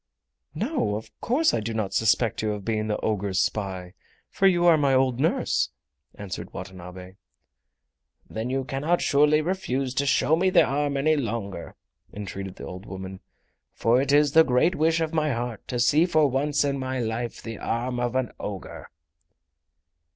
"No, of course I do not suspect you of being the ogre's spy, for you are my old nurse," answered Watanabe. "Then you cannot surely refuse to show me the arm any longer." entreated the old woman; "for it is the great wish of my heart to see for once in my life the arm of an ogre!"